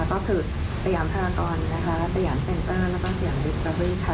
ก็คือสยามพลากรณ์นะคะสยามเซ็นเตอร์แล้วก็สยามค่ะ